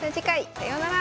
さようなら。